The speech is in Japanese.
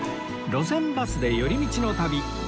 『路線バスで寄り道の旅』